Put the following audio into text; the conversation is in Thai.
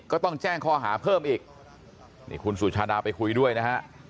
ก็ต้องแจ้งข้อหาเพิ่มอีกนี่คุณสุชาดาไปคุยด้วยนะฮะ